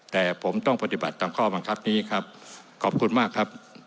แต่ผมต้องปฏิบัติตามข้อบังคับนี้ครับขอบคุณมากครับ